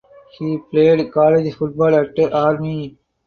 He played college football at Army.